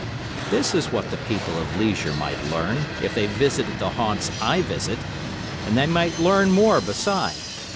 This is what the people of leisure might learn, if they visited the haunts I visit; and they might learn more beside.